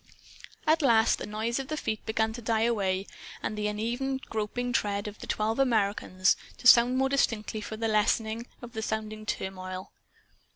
At last the noise of feet began to die away, and the uneven groping tread of the twelve Americans to sound more distinctly for the lessening of the surrounding turmoil.